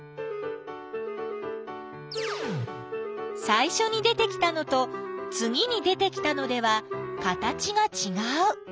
さいしょに出てきたのとつぎに出てきたのでは形がちがう。